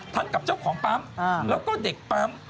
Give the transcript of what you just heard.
กับเจ้าของปั๊มแล้วก็เด็กปั๊ม